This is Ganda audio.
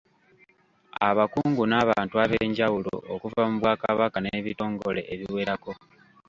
Abakungu n’abantu abenjawulo okuva mu Bwakabaka n’ebitongole ebiwerako.